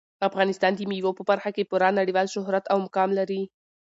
افغانستان د مېوو په برخه کې پوره نړیوال شهرت او مقام لري.